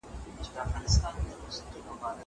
زه به ليکنې کړي وي!